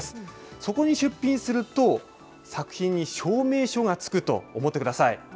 そこに出品すると、作品に証明書がつくと思ってください。